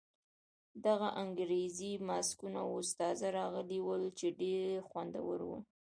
دغه انګریزي ماسکونه اوس تازه راغلي ول چې ډېر خوندور وو.